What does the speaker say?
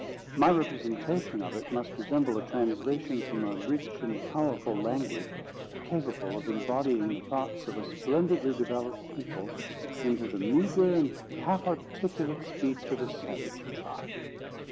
My representation of it must resemble a translation from a rich and powerful language, capable of embodying the thoughts of a splendidly developed people, into the meagre and half articulate speech of a savage tribe.